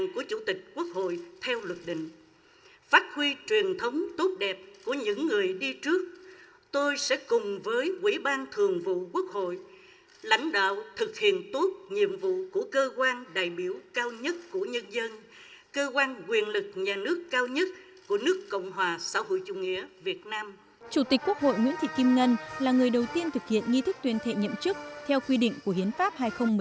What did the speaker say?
chủ tịch quốc hội nguyễn thị kim ngân là người đầu tiên thực hiện nghi thức tuyên thệ nhậm chức theo quy định của hiến pháp hai nghìn một mươi ba